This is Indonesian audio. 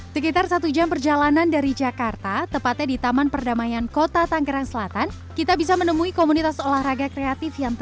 setelah itu mengisi perut dengan makanan sehat yang juga kekinian